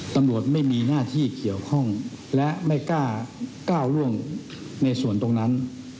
ตำรวจไม่มีหน้าที่เกี่ยวข้องและไม่กล้าก้าวร่วงในส่วนตรงนั้น